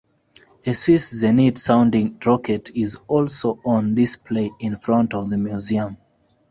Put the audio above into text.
A Swiss Zenit sounding rocket is also on display in front of the museum.